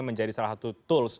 menjadi salah satu tools